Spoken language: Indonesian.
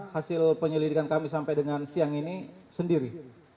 hasil penyelidikan kami sampai dengan siang ini sendiri